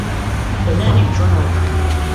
دڵنیا نیم چۆن ئەوە بکەم.